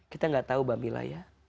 kita nggak tahu mbak mila ya